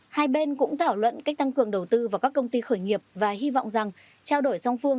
hai bên cũng thảo luận cách tăng cường đầu tư vào các công ty khởi nghiệp và hy vọng rằng trao đổi song phương